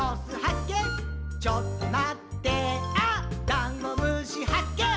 ダンゴムシはっけん